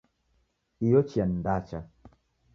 Iyo chia ni ndacha